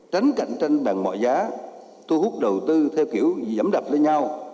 tránh cạnh tranh bằng mọi giá thu hút đầu tư theo kiểu giảm đập lên nhau